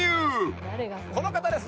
この方です。